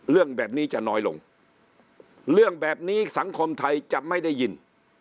เรื่องแบบนี้จะน้อยลงเรื่องแบบนี้สังคมไทยจะไม่ได้ยิน